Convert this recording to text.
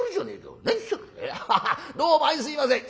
どうもあいすいません。